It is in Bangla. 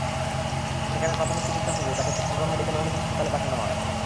সেখানে প্রাথমিক চিকিৎসা শেষে তাকে চট্টগ্রাম মেডিকেল কলেজ হাসপাতালে পাঠানো হয়।